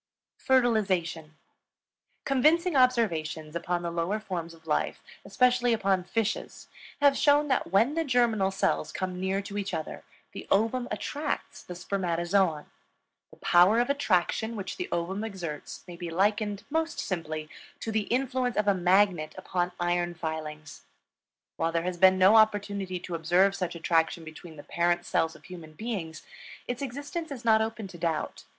FERTILIZATION. Convincing observations upon the lower forms of life, especially upon fishes, have shown that when the germinal cells come near to each other, the ovum attracts the spermatozoon. The power of attraction which the ovum exerts may be likened, most simply, to the influence of a magnet upon iron filings. While there has been no opportunity to observe such attraction between the parent cells of human beings, its existence is not open to doubt.